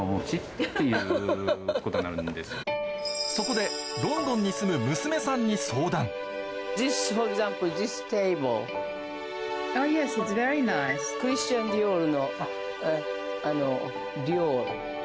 そこでロンドンに住む娘さんに相談ディオール。